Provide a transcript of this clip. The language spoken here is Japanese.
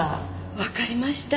わかりました。